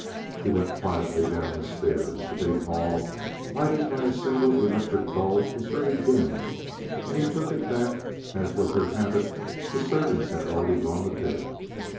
He went quietly down the stairs. The big hall, lighted by a single electric bulb, was very dim, and he took it that, as was their habit, the servants had already gone to bed.